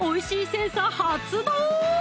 センサー発動！